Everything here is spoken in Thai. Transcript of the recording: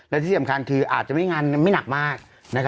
และที่สำคัญคืออาจจะไม่งานไม่หนักมาก